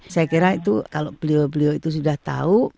saya kira itu kalau beliau beliau itu sudah tahu